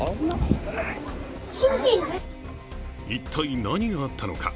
一体、何があったのか。